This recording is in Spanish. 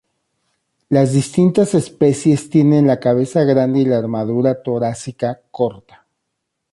Las distintas especies tienen la cabeza grande y la armadura torácica corta.